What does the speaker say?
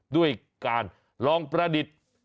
ด้วยการลองประดิษฐ์